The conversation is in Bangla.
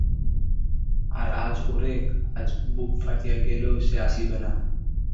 আর আজ– ওরে, আজ বুক ফাটিয়া গেলেও সে আসিবে না।